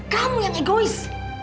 kamu yang egois